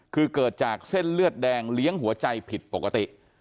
คือเกิดจากเส้นเลือดแดงเลี้ยงหัวใจผิดปกติ